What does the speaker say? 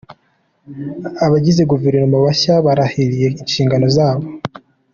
Abagize guverinoma bashya barahiriye inshingano zabo.